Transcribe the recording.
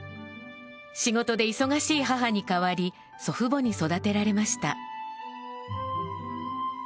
仕事で忙しい母に代わり祖父母に育てられました。